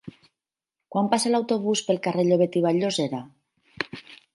Quan passa l'autobús pel carrer Llobet i Vall-llosera?